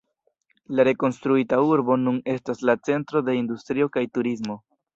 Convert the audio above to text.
La rekonstruita urbo nun estas la centro de industrio kaj turismo.